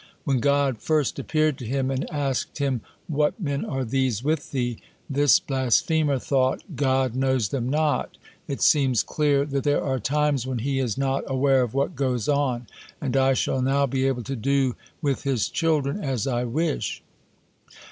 When God first appeared to him and asked him, "What men are these with thee?" this blasphemer thought: "God know them not. It seems clear that there are times when He is not aware of what goes on, and I shall now be able to do with His children as I wish."